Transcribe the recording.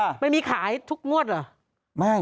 ได้มึงไม่มีขายทุกงวดเหรอ